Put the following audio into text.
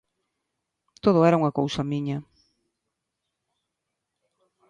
Todo era unha cousa miña.